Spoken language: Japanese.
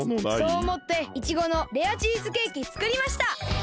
そうおもっていちごのレアチーズケーキつくりました。